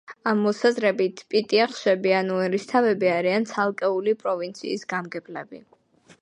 ამ მოსაზრებით, „პიტიახშები“ ანუ „ერისთავები“ არიან ცალკეული პროვინციის გამგებლები.